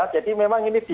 jadi memang ini dibutuhkan